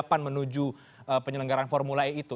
kapan menuju penyelenggaran formula e itu